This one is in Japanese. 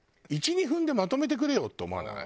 １２分でまとめてくれよって思わない？